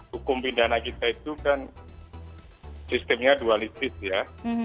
hukum pidana kita itu kan sistemnya dualistis ya